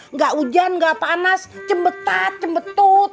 nggak hujan nggak panas cembetat cembetut